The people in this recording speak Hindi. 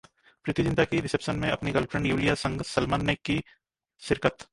प्रीति जिंटा की रिसेप्शन में अपनी गर्लफ्रेंड यूलिया संग सलमान ने की शिरकत